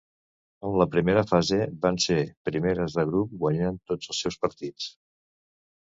En la primera fase van ser primeres de grup guanyant tots els seus partits.